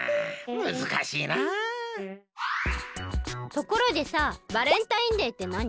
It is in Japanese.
ところでさバレンタインデーってなに？